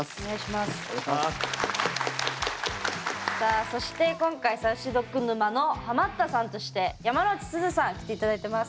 さあそして今回ＳａｕｃｙＤｏｇ沼のハマったさんとして山之内すずさん来て頂いてます。